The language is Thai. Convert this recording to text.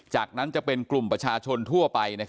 จากนั้นจะเป็นกลุ่มประชาชนทั่วไป